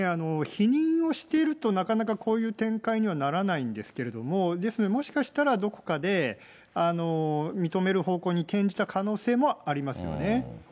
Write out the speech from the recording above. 否認をしていると、なかなかこういう展開にはならないんですけれども、ですので、もしかしたらどこかで認める方向に転じた可能性もありますよね。